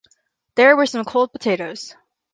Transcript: There were some cold potatoes.